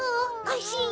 おいしい？